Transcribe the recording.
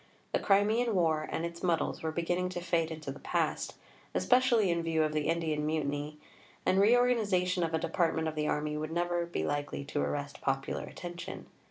The Crimean War and its muddles were beginning to fade into the past, especially in view of the Indian Mutiny; and reorganization of a department of the Army would never be likely to arrest popular attention.